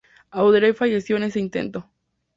Audrey falleció en este intento.